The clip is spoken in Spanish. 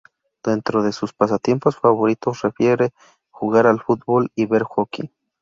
Dentro de sus pasatiempos favoritos refiere jugar al fútbol y ver hockey.